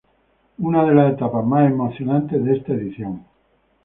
Una de las etapas más emocionantes de esta edición.